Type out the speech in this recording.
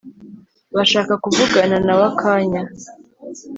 bashaka kuvugana nawe akanya